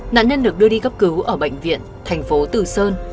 nạn nhân được đưa đi gấp cứu ở bệnh viện thành phố từ sơn